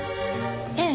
ええ。